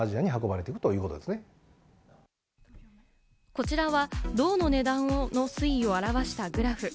こちらは銅の値段の推移を表したグラフ。